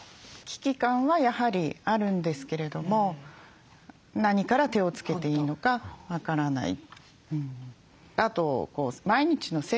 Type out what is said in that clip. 危機感はやはりあるんですけれども何から手をつけていいのか分からない。